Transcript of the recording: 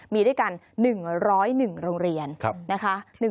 มีด้วยกัน๑๐๑โรงเรียนนะคะ